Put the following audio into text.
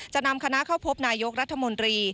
จะนำคณะเข้าพบนายกรัฐมนตรี